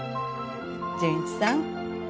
純一さん。